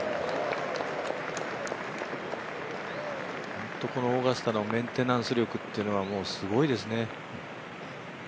本当オーガスタのメンテナンス力っていうのはすごいですね。